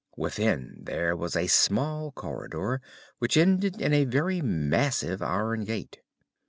Within there was a small corridor, which ended in a very massive iron gate.